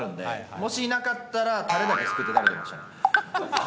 もしいなかったらたれだけすくって食べてましたね。